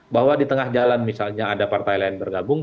bahwa di tengah jalan misalnya ada partai lain bergabung